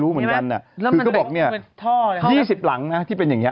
คือก็บอกนี่๒๐หลังที่เป็นอย่างนี้